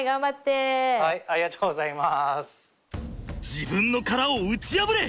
自分の殻を打ち破れ！